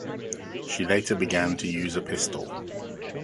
She later began to use a pistol.